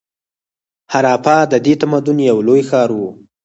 هراپا د دې تمدن یو لوی ښار و.